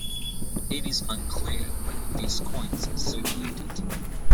It is unclear whether these coins circulated.